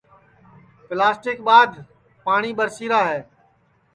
پیلاسٹیک ٻادھ پاٹؔی ٻرسی را ہے